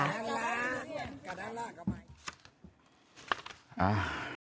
อ้าว